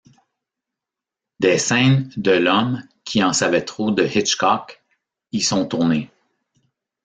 Des scènes de L’Homme qui en savait trop de Hitchcock y sont tournées.